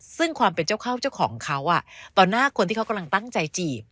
ซึ่งความเป็นเจ้าเข้าเจ้าของเขาต่อหน้าคนที่เขากำลังตั้งใจจีบ